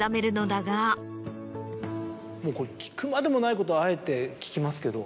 聞くまでもないことをあえて聞きますけど。